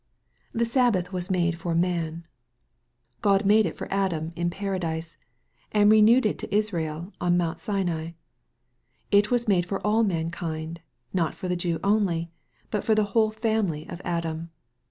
" The Sabbath was made for man." God made it for Adam in Paradise, and renewed it to Israel on Mount Sinai. It was made for all mankind, not for the Jew only, but for the whole family of Adam.